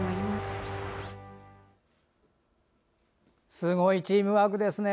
すごいチームワークですね。